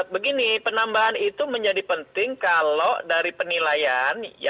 begini penambahan itu menjadi penting kalau dari penilaian